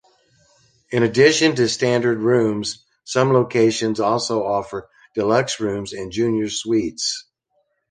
In addition to standard rooms, some locations also offer deluxe rooms and junior suites.